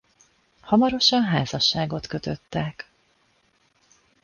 Hamarosan házasságot kötöttek.